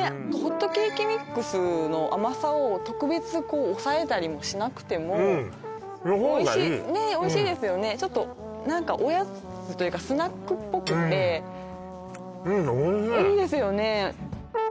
ホットケーキミックスの甘さを特別抑えたりもしなくてもの方がいいねっおいしいですよねちょっと何かおやつというかスナックっぽくっておいしいおいしいですよね